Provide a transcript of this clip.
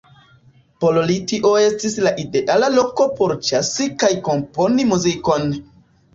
Por li tio estis la ideala loko por ĉasi kaj komponi muzikon.